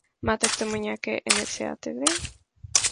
Máte k tomu nějaké iniciativy?